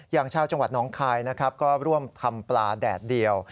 อย่างชาวจังหวัดน้องคายนะครับก็ร่วมทำปลาแดดเดียว